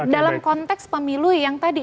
dalam konteks pemilu yang tadi